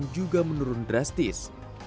juga menurun drastis